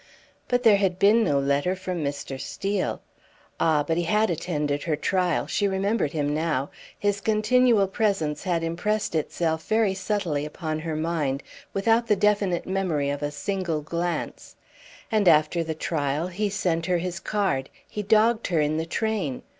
But there had been no letter from Mr. Steel. Ah! but he had attended her trial; she remembered him now, his continual presence had impressed itself very subtly upon her mind, without the definite memory of a single glance; and after the trial he sent her his card, he dogged her in the train!